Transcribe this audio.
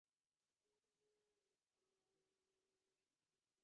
কয়েকটা দিন চলিয়া গেল।